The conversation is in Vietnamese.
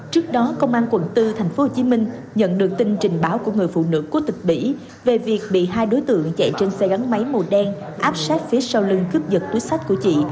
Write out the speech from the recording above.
trước đó công an quận bốn tp hcm nhận được tin trình báo của người phụ nữ quốc tịch bỉ về việc bị hai đối tượng chạy trên xe gắn máy màu đen áp sát phía sau lưng cướp giật túi sách của chị